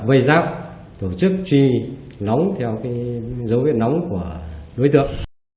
và bây giác tổ chức truy lóng theo dấu viên lóng của đối tượng